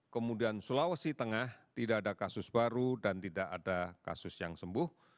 kemudian sulawesi tengah tidak ada kasus baru dan tidak ada kasus yang sembuh